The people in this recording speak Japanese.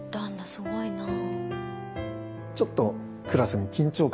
すごいなあ。